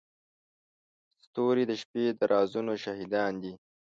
ستوري د شپې د رازونو شاهدان دي.